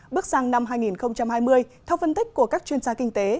bước sang năm hai nghìn hai mươi theo phân tích của các chuyên gia kinh tế